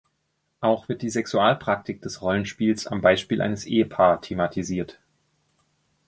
Auch wird die Sexualpraktik des Rollenspiels am Beispiel eines Ehepaar thematisiert.